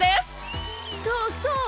そうそう！